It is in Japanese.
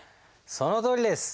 そのとおりです。